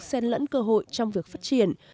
xen lẫn cơ hội trong việc phát triển